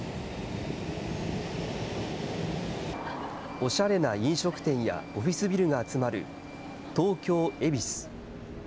おしゃれな飲食店やオフィスビルが集まる東京・恵比寿。